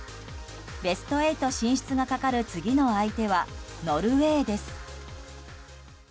ベスト８進出がかかる次の相手はノルウェーです。